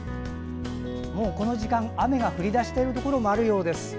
もうこの時間、雨が降り出しているところもあるようです。